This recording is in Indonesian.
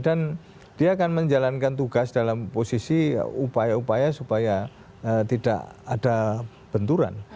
dan dia akan menjalankan tugas dalam posisi upaya upaya supaya tidak ada benturan